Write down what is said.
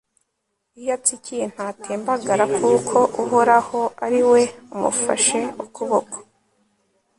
iyo atsikiye ntatembagara, kuko uhoraho ari we umufashe ukuboko